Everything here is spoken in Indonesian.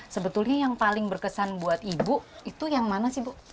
sebetulnya yang paling berkesan buat ibu itu yang mana sih bu